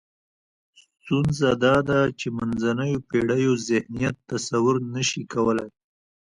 ستونزه دا ده چې منځنیو پېړیو ذهنیت تصور نشي کولای.